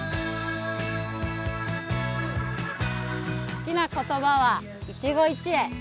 好きな言葉は一期一会。